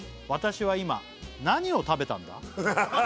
「私は今何を食べたんだ？」